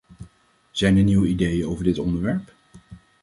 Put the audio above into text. Zijn er nieuwe ideeën over dit onderwerp?